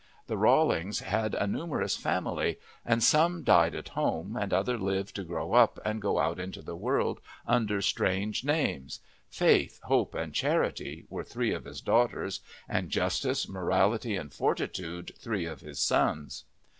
This Rawlings had a numerous family, and some died at home and others lived to grow up and go out into the world under strange names Faith, Hope, and Charity were three of his daughters, and Justice, Morality, and Fortitude three of his sons.